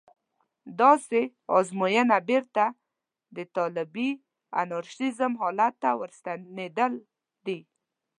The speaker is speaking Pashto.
داسې ازموینه بېرته د طالبي انارشېزم حالت ته ورستنېدل دي.